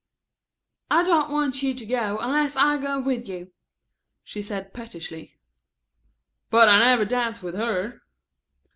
"I don't want you to go unless I go with you," she said pettishly. "But I never dance with her."